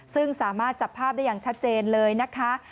ซึ่งสามารถจับภาพได้อย่างชัดเจนเลยนะคะ